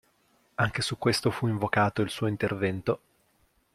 Anche su questo fu invocato il suo intervento.